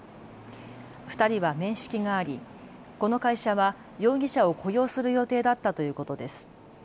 ２人は面識があり、この会社は容疑者を雇用する予定だったということです。